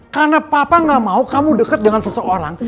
karena papa nggak mau kamu deket dengan seseorang